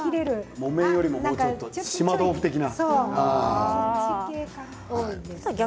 木綿よりももうちょっと島豆腐的な。